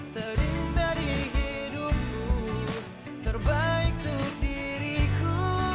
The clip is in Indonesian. terbaik untuk diriku